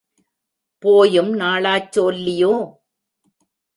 போயும் நாளாச் சோல்லியோ?